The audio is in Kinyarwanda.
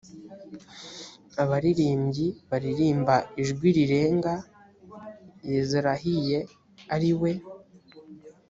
abaririmbyi baririmba ijwi rirenga yezerahiya ari we